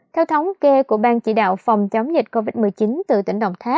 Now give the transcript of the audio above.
theo thống kê của ban chỉ đạo phòng chống dịch covid một mươi chín